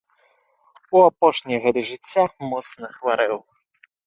У апошнія гады жыцця моцна хварэў.